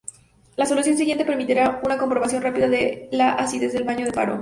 La solución siguiente permitirá una comprobación rápida de la acidez del baño de paro.